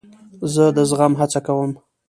زه د زغم هڅه کوم.